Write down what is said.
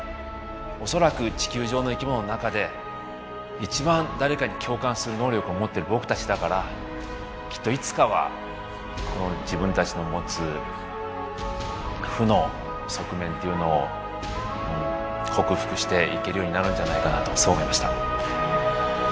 恐らく地球上の生き物の中で一番誰かに共感する能力を持ってる僕たちだからきっといつかはこの自分たちの持つ負の側面っていうのを克服していけるようになるんじゃないかなとそう思いました。